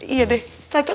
iya deh cocok